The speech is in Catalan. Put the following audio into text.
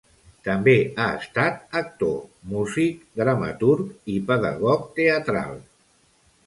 També ha estat actor, músic, dramaturg i pedagog teatral.